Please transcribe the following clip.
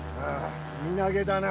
身投げだな。